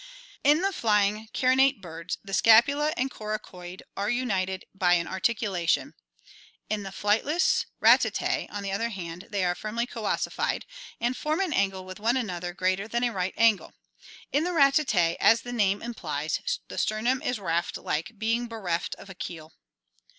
In the flying (carinate) birds the scapula and coracoid are united by an articulation; in the flightless Ratitae, on the other hand, they are firmly coossified, and form an angle with one another greater than a right angle. In the Ratitae, as the name implies (Lat. rails, raft) the sternum is raft like, being bereft of a keel.